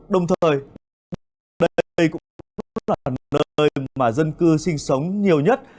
đồng thời đây cũng là nơi mà dân cư sinh sống nhiều nhất